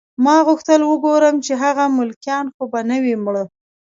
ما غوښتل وګورم چې هغه ملکیان خو به نه وي مړه